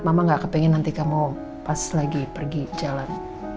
mama gak kepingin nanti kamu pas lagi pergi jalan